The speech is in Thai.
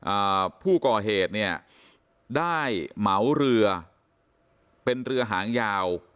อ่าผู้ก่อเหตุเนี่ยได้เหมาเรือเป็นเรือหางยาว